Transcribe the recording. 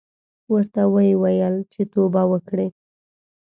ورته ویې ویل چې توبه وکړې.